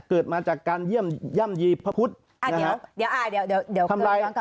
เกิดมาจากการเยี่ยมย่ำยีพระพุทธนะครับ